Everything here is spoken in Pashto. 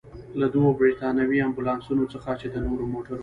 له دوو برتانوي امبولانسونو څخه، چې د نورو موټرو.